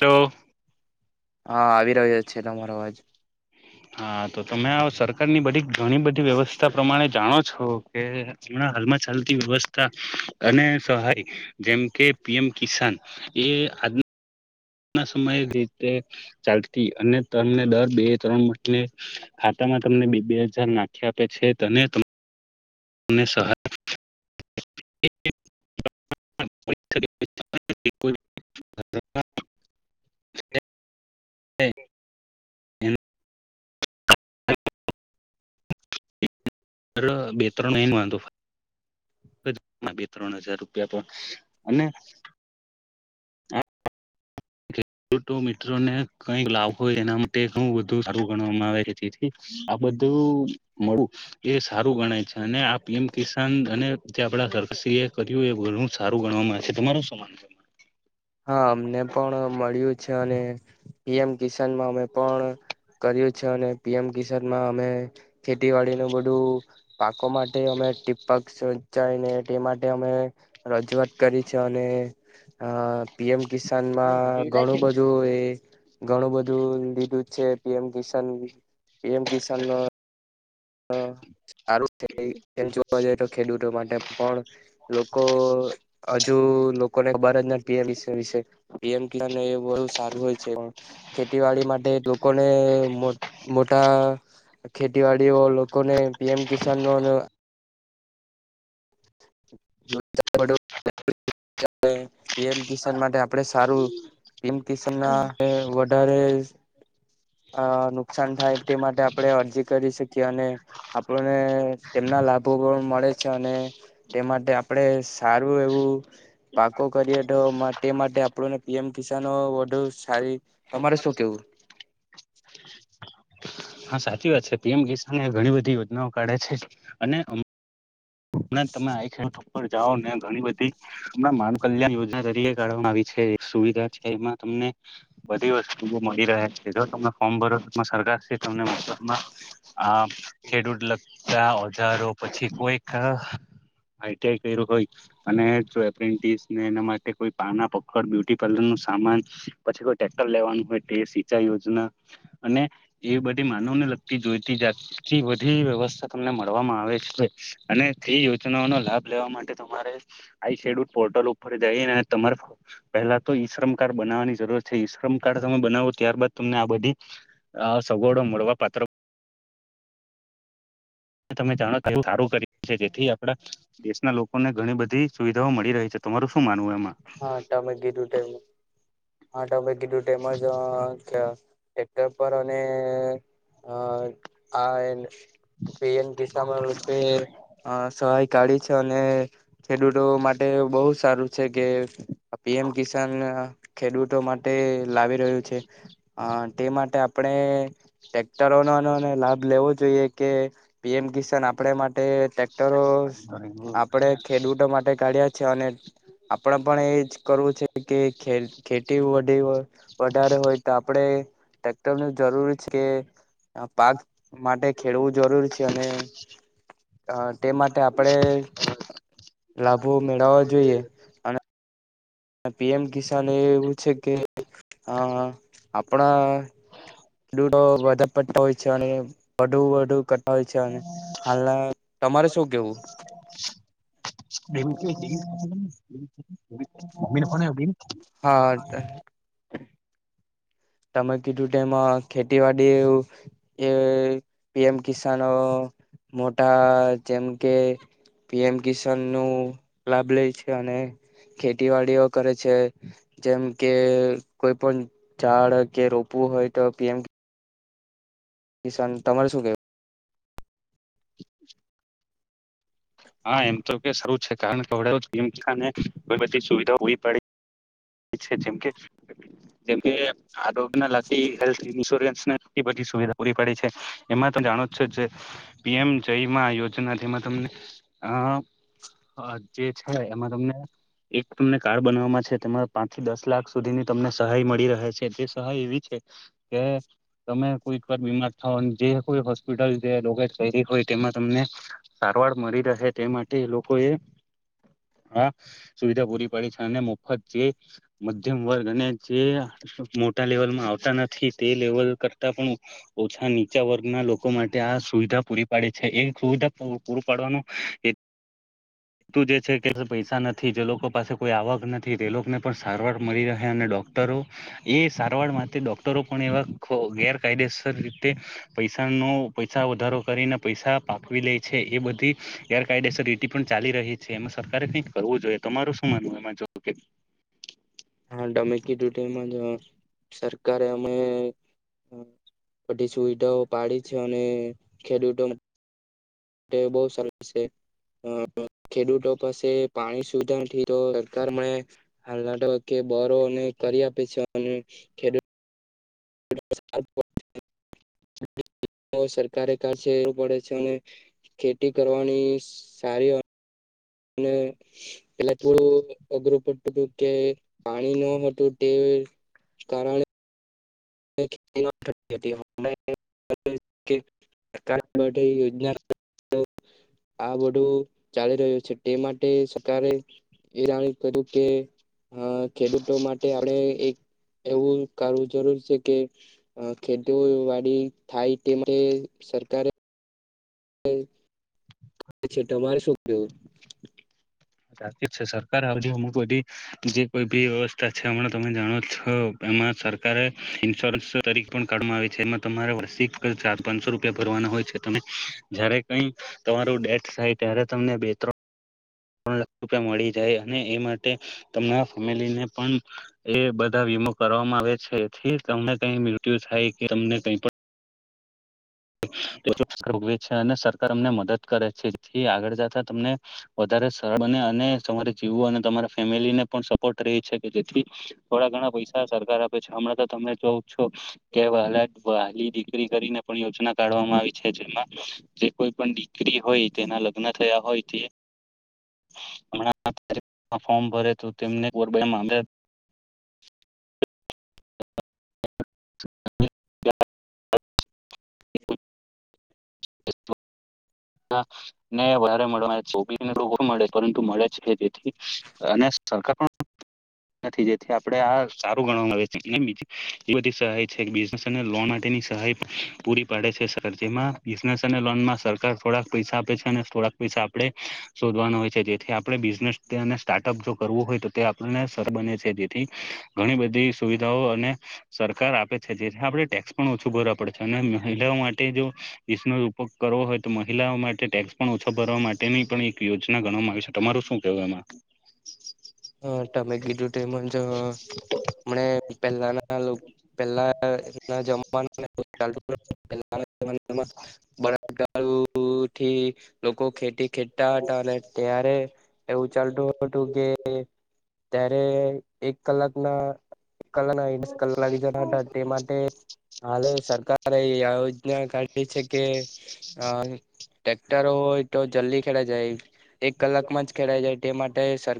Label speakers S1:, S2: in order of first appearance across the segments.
S1: લો.
S2: હા આવી રહ્યો છે તમારો અવાજ
S1: હા તો તમે આવો સર સરકારની બધી ઘણી બધી વ્યવસ્થા પ્રમાણે જાણો છો કે હમણા હાલમાં ચાલતી વ્યવસ્થા, અને સહાય, જેમ કે પી એમ કિસાન એ આજના સમય રીતે ચાલતી અને તને દર બે ત્રણ મહીને તમને બે બે હજાર નાખી આપે છે તને સસો આઠ [unintelligible] એ [unintelligible] [unintelligible] હ [unintelligible] સર બે ત્રણો એન વાંધો. બે ત્રણ હજાર રૂપિયા તો પણ, અને મને કઈક લાભ હોય એના માટે બધુ સારું ગણવામાં આવે છે. બધું મળ એ સારું ગણાય છે અને આમ કિસાન અને જે આપડા ્રી એ કર્યું એ ઘણું સારું ગણવાવામાં છે તમારું સમાન છે?
S2: હા અમને પણ મળ્યું છે અને પી એમ કિસાનમાં અમે પણ, કર્યું છે અને પી એમ કિસાન માં અમે ખેતીવાડી નું બધું, પાકો માટે અમે ટીપ્પક તે માટે અમે રજૂઆત કરી છે અને, પી એમ પા
S1: માનવું
S2: કિસાનમાં ઘણું બધું એ ઘણું બધું લીધું છે. પી એમ કિસન પી એમ કિસન ન સારું છે એમ જોવા જ તો ખેડૂતો માટે પણ, લોકો હજુ લોકો બ પી એમ કિ પી એમ કિસાન એ બુ સારું હોય છે ખેતીડી માટે લોકોને મોટા ખેતીવાડી ડી ઓ લોકોને પી એમ કિસનો પી એમ કિસાન માટે [unintelligible] આપડે સારું કિમ કિસમ ના વધારે અ નુકસાન થાય તે માટે આપણે અરજી કરી શકીએ અને, આપણને તેમના લાભો પણ મળે છે. અને, તે માટે આપણેે સારું એવું પાકો કરીએ તો તે માટે આપડું ને પી એમ કિસનો વડુ સારી તમારે શું કેવું?
S1: [inaudible]
S2: [inaudible]
S1: હા સાચી વાત છે પી એમ કિસને એ ઘણી બધી યોજનાઓ કાઢે છે, અને તમે આ ખર જાઓ ને ઘણી બધી, હમણાં માન કલ્યાણ યોજના તરીકે કાઢવામાં આવી છે. સુવિધા છે એમાં તમને બધી વસ્તુ મળી રહે છે જો તમે ફોર્મ ભરો સરકાર તમને મબમાં આ ખેડૂત લગતા ઓજારો પછી કોઈ હા. આઈ ટી આઈ કર્યું હોય, અને જો એપ્રેન્ટિસ ને એના માટે કોઈ પાના પખડ બ્યુટી પાર્લર ન સામાન, પછી કોક્ટર લેવાનું હોય તે સિંચ યોજના, અને એ બધી માન લગતી જોઈતી જાતી બધી વ્યવસ્થા તમને મળવામાં આવે છે. અને તે યોજનાઓનો લાભ લેવા માટે તમારે આઈ શેડ્યુલ પોર્ટલ ઉપર જઈ અને તમારે પેલા તો ઈશ્રમ કાર્ડ બનાવાની જરૂર છે ઈશ્રમ કાર્ડ તમે બનાવો ત્યારબાદ તમને આ બધી આ સોગોડો મોડવા પાત્ર તમે જાણો એ સારું કરી છે જેથી આપણા દેશના લોકો કોને ઘણી બધી સુવિધાઓ મળી રહી છે. તમારું શું માનવું એમાં?
S2: આ ટ મેં કીડુ ટટેમજ એકક્ટર પર અને અ આ પી અને કિસા રૂપે અ સહાય કાઢી છે અને ખેડૂતો માટે બહુ સારું છે કે પી એમ કિસાન ખેડૂતો માટે લાવી રહ્યું છે અ તે માટે આપણે ટ્રેક્ટરોનો અનો ને લાભ લેવો જોઈએ કે પી એમ કિસન આપ માટે ટે ટરો આપડે ખેડૂતો માટે કાઢ્યા છે અને આપણે પણ એજ કરવું છે કે ખેલ ખેતી વધી હોય વધારે હોય તો આપણે ટટેક્ટર ન જરૂરી છે કે આ પાક માટે ખેડવું જરૂર છે અને અ તે માટે આપડે લાભો મેળવવા જોઈએ અને પી એમ કિસાન એ એવું છે કે આ આપણા દૂો વધારે પડતા હોય છે અને વધુ વુ કરતા હોય છે અને હાલ તમારે શું કેવું?
S1: [unintelligible]
S2: હા. તમે કીધું ટમાં ખેતીવાડી એવું એ પી એમ કિસનો મોટા જેમ કે પી એમ કિસાન નું લાભ લે છે અને ખેતીવાડીઓ કરે છે જેમ કે કોઈ પણ ઝાડ કે રોપવું હોય તો પી એમ કિશન તમારે શું કેવું.
S1: હા એમ તો કે સારું છે કારણ કેને બધી સુવિધાવી પડી. જેમકે જેમકે આરોગ્ય ના લતી હેલ્થ ઇન્સ્યોરન્સ સુવિધા પૂરી પડી છે એમાં ત જાણો છો જે પી એમ જય યોજના જેમાં તમને આ જે છે એમાં તમને એક તમને કાર્ડ બનાવામાં છે તેમાં પાંચ થી દસ લાખ સુધીની તમને સહાય મળી રહે છે તે સહાય એવી છે કે તમે કોઈક વાર બીમાર થાવ જે કોઈ હોસ્પિટલ જે રોગજ હોય તેમાં તમને સારવાર મળી રહે. તે માટે લોકો એ હા સુવિધા પૂરી પાડી છે. અને મફત જે મધ્યમ વર્ગ અને જે મો ટા લેવલમાં આવતા નથી તે લેવલ કરતા પણ ઓછા નીચા વર્ગના લોકો માટે આ સુવિધા પૂરી પાડે છે એ સુવિધા પૂરી પાડવાનો એ તું જે છે કે પૈસા નથી જે લોકો પાસે કોઈ આવક નથી તે લોકોને પણ સારવાર મળી રહે અને ડોક્ટરો ઓ એ સારવાર માટે ડોક્ટરો પણ એવા ગેરકાયદેસર રી તે પૈસાનો પૈસા વધારો કરીને પૈસા પાકવી લે છે એ બધી ગેરકાયદેસર રીટી પણ ચાલી રહી છે એમાં સર કઈ કરવું જોઈએ તમારું શું માનવું એમાં જો કે.
S2: હા ટમેં કીધું તેમ જ સરકારે અમે બધી સુવિધાઓ પાડી છે અને ખેડૂતો બહુ સરસ છે. અ ખેડૂતો પાસે પાણી સુવિધાથી તો સરકાર મને હાલના તબ્બકે બરો અને કરી આપે છે અને ખેડૂત [inaudible] સરકારે કા છે એવું પડે છે અને ખેતી કરવાની સારી અને પેલા થોડું અઘરું પડતું હતું કે પાણી ન હતું તે કારણે [inaudible] સરકાર માટે યોજના
S1: [inaudible]
S2: આ બધું ચાલી રહ્યું છે. તે માટે સરકારે એ [unintelligible] કે અ ખેડૂતો માટે આપણે એક એવું કરવું જરૂર છે કે અ ખેતવાડી થાય તે માટે સરકારે છે તમારે શું કેવું
S1: સાચી છે સરકાર હજુ અમુક બધી જે કોઈ બી વ્યવસ્થા છે હમણાં તમે જાણો છો સરકારે ઇન્સ્યોરન્સ તરીકે પણ કાઢવામાં આવી છે. એમાં તમારે વાર્ષિક ચાર્જ પાંચસો રૂપિયા ભરવાનો. જ્યારે કઈ તમારું ડેથ થાય ત્યારે તમને બે ત્રણ લાખ રૂપિયા મળી જાય અને એ માટે તમાં ફેમિલીને પણ એ બધા કરવામાં આવે છે એથી તમને કઈ મૃત્યુ થાય કે તમને કઈ પણ [unintelligible] અને સરકાર અમને મદદ કરે છેથી આગળ જતા તમને વધા રે સરળ બને અને તમારે જીવો અને તમા ફેમિલી ને પણ સપોર્ટ રે છે કે જેથી થોડા ઘણા પૈસા સરકાર આપે છે હમણાં તો તમે જોઉ છો કે વલા વહલી દીકરી કરીને પણ યોજ ના કાઢવામાં આવી છે જેમાં જે કોઈ પણ દીકરી હોય તેના લગ્ન થયા હોય તે હમણા ફોર્મ ભરે તો તેમને [unintelligible] મદદ [inaudible]
S2: [inaudible]
S1: [inaudible] ને વધારે [unintelligible] મળે પરંતુ મળે છે તેથી અને [inaudible] નથી જેથી આપડે આ સારું ગણવામાં આવે બીજ એ બધી સહાય છે બિઝનેસ અને લોન માટેની સહાય પૂરી પાડે છે જેમાં બિઝનેસ અને લોનમાં સરકાર થોડાક પૈસા આપે છે અને થોડાક પૈસા આપણે શોધવાના હોય છે જેથી આપણે બિઝનેસ સ્ટાર્ટઅપ જો કરવું હોય તો [unintelligible] છે જેથી ઘણી બધી સુવિધાઓ અને સરકાર આપે છે આપણે ટેક્સ પણ ઓછું ભરવા પડે છે અને મહિલાઓ માટે જો [unintelligible] કરવો હોય તો મહિલાઓ માટે ટેક્સ પણ ઓછા ભરવા માટેની પણ એક યોજના ગણવામાં આવી છે તમારું [unintelligible]
S2: હા તમે કીધું તેમજ મ પેલા ના પેલા [inaudible] [inaudible] લોકો ખેતી ખેચતા હતા. અને ત્યારે એવું ચાલતું હતું કે ત્યારે એક કલાક ના કલા ના દસ કલાક લાગી જ તે માટે હાલે સરકારે એ આ યોજના કાઢી છે કે આ ટેક્ટરો હોય તો જલ્દી ખેડા જાય. એક કલાક માં જ ખેડાઈ જાય. તે માટે સર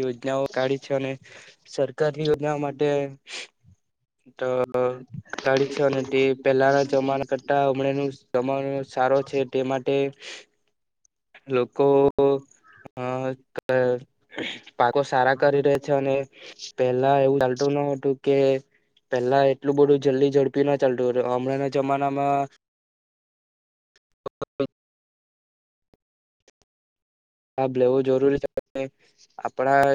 S2: યોજનાઓ કાઢી છે. અને સરકારની યોજનાઓ માટે તો કાઢી છે. અને તે પહેલાના જમાના કરતા હમણાં ન જમાનું સારો છે. તે માટે
S1: [inaudible]
S2: લોકો અ ક પાકો સારા કરી રે છે. અને પેલા એવું ચાલતું ન હતું કે પેલા એટલું બધું જલ્દી ઝડપી ન ચાલતું હતું. હમણાંના જમાનામાં [unintelligible] લાભ લેવો જરૂરી છે. [unintelligible] આપડા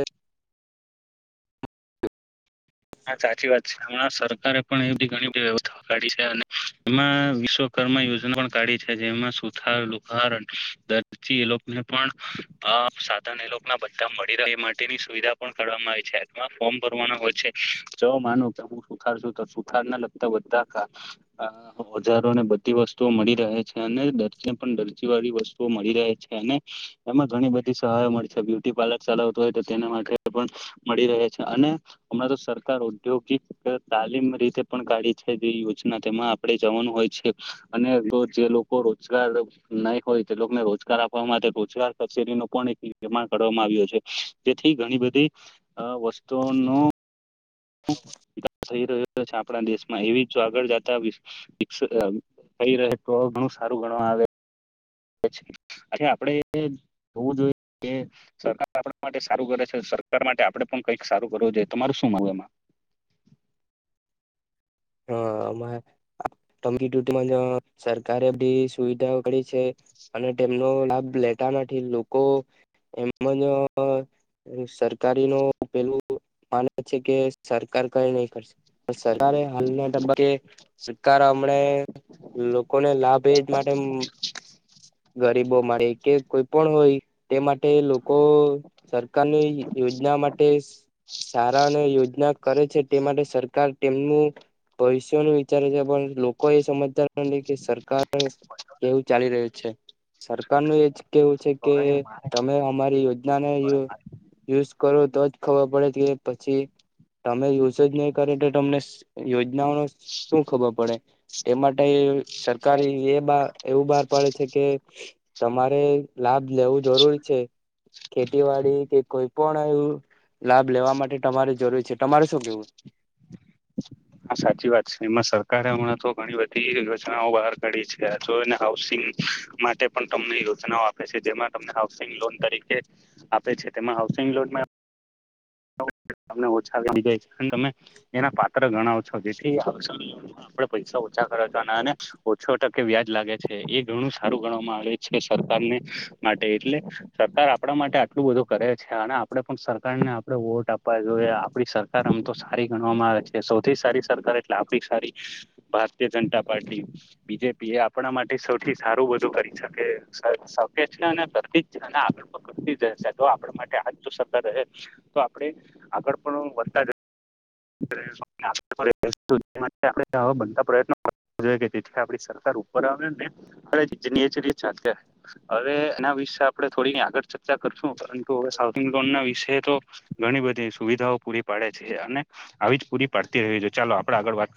S1: હા, સાચી વાત છે. હમણાં સરકારે પણ એ બધી ઘણી બધી વ્યવસ્થા કાઢી છે અને એમાં વિશ્વપ યોજના કાઢી છે. જેમાં સુથાર, લુહાર અને દરજી એ લોકોને પણ આપ સાધન એ લોકો ના બધા મળી રહે એ માટેની સુવિધા પણ કરવામાં આવે છે. એમાં ફોર્મ ભરવાના હોય છે. જો માનું કે હું સુથાર છું, તૂટેતો સુથારને લગતા અહ બધા ક ઓજારો ને બધ બધી વસ્તુઓ મળી રહે છે અને દરજીને પણ દરજી વાળી વસ્તુઓ મળી રહે છે અને એમાં ઘણી બધી સહાય મળી છે. બ્યુટી પાર્લર ચલાવતો હોય તો તેના માટે પણ મળી રહે છે અને હમણાં તો સરકાર ઔદ્યોગિક તાલીમ રીતે પણ કાઢી છે જે યોજના, તેમાં આપડે જવાનું હોય છે અને જો જે લોકો રોજગાર નહીં હોય, તે લોકોને રોજગાર આપવા માટે રોજગાર શેરી ન પણ એક નિમાણ કરવામાં આવ્યો છે. જેથી ઘણી બધી વસ્તુઓનો ખુબ વિકાસ થઈ રહ્યો છે, આપણા દેશમાં. એવી જો આગળ જતા વીકસ થઈ રહે, તો ઘણું સારું ગણવા આવે [unintelligible] અછા આપડે જોવું જોઈએ કે સરકાર આપડા માટે સારું કરે છે, સરકાર માટે આપડે પણ કઈક સારું કરવું જોઈએ. તમારું શું માનવું એમાં? [inaudible]
S2: હા્ [unintelligible] યુટી સરકારે બધી સુવિધાઓ કરી. છે અને તેમનો લાભ લેતા નથી. લોકો એમજ અહ સરકારી ન પેલું માને છે, કે સરકાર કઈ નઈ કરશે. પણ સરકારે હાલના તબકે કે શકાર આમ આપણે લોકોને લાભ એજ માટે, ગરીબો માટે એ કે કોઈ પણ હોય તે માટે લોકો, સરકારની યોજના માટે સારા યોજના કરે છે. તે માટે સરકાર તેમનું ભવિષ્યનું વિચારે છે, પણ લોકો એ સમજતા નથી કે સરકાર પણ એવું ચાલી રહ્યું છે. સરકારનું એજ કેવું છે કે
S1: એમાં
S2: તમે અમારી યોજનાને
S1: હા
S2: યુઝ કરો તોજ ખબર પડે કે પછી તમે યુઝ જ ની કરે તો તમને યો યોજનાઓ નું શું ખબર પડે, એ માટે સરકારે એ બહાર, એવું બહાર પાડે છે કે તમારે લાભ લેવું જરૂરી છે. ખેતીવાડી કે કોઈ પણ એ લાભ લેવા માટે તમારે જરૂરી છે. તમારે શું કેવું?
S1: હા, સાચી વાત છે. એમાં સરકારે હમણાં તો ઘણી બધી યોજનાઓ બહાર કાઢી છે. જોને હાઉસિંગ માટે પણ તમને યોજના આપે છે, જેમાં તમને હાઉસિંગ લોન તરીકે આપે છે, તેમા હાઉસિંગ લોનમાં તમને ઓછા [inaudible] તમે એના પાત્ર [unintelligible] જેથી [inaudible] પૈસા ઓછા ખર્ચોના અને ઓછો ટકે વ્યાજ લાગે છે એ ઘણું સારું ગણવામાં આવે છે, સરકારને માટે એટલે સરકાર આપડા માટે આટલું બધું કરે છે અને આપડે પણ સરકારને આપડે વોટ આપ વા જોઈએ. આપડી સરકાર આમ તો સારી ગણવામાં આવે છે. સૌથી સારી સરકાર એટલે આપડી સારી ભા ભારતીય જનતા પાર્ટી, બી જે પી એ આપણા માટે સૌથી સારું બધું કરી શકે [unintelligible] આગળ પણ [unintelligible] [inaudible] આવા બનતા પ્રયત્નો કરતા જોઈએ, તેથી આપણી સરકાર ઉપર આવેને [inaudible] અરે એના વિશે વિશે આપડે થોડી આગળ ચર્ચા કરશું, પરંતુ હવે હાઉસિંગ લોનના વિશે તો ઘણી બધી સુવિધાઓ પૂરી પાડે છે અને આવી જ પૂરી પાડતી રહેવી જોઈએ. ચાલો આપડે આગળ વાત